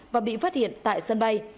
và bị phát hiện tại sân bay